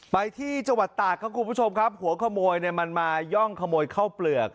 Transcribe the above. ไปที่จังหวัดตากครับคุณผู้ชมครับหัวขโมยเนี่ยมันมาย่องขโมยข้าวเปลือก